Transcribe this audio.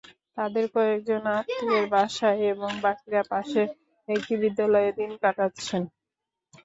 তাঁদের কয়েকজন আত্মীয়ের বাসায় এবং বাকিরা পাশে একটি বিদ্যালয়ে দিন কাটাচ্ছেন।